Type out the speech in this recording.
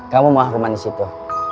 kamu mau hakuman disitu